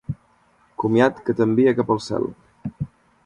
Comiat que t'envia cap al cel.